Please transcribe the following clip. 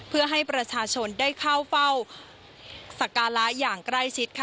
เพื่อให้ประชาชนได้เข้าเฝ้าสักการะอย่างใกล้ชิดค่ะ